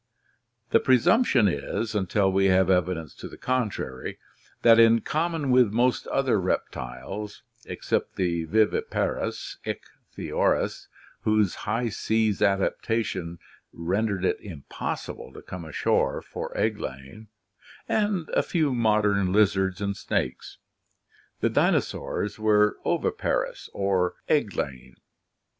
The presumption is, until we have evidence to the contrary, that, in common with most other reptiles, except the viviparous ichthyosaurs whose high seas adaptation rendered it impossible to come ashore for egg laying, and a few modern lizards and snakes, the dinosaurs were oviparous or egg laying.